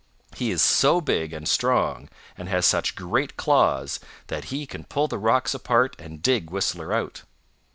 He is so big and strong and has such great claws that he can pull the rocks apart and dig Whistler out.